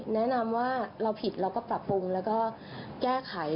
แนะนำว่าเราผิดเราก็ปรับปรุงแล้วก็แก้ไข